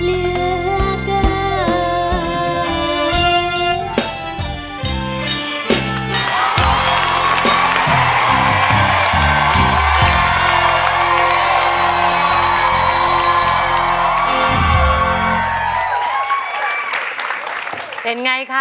ชื่อเพลงนี้นะครับ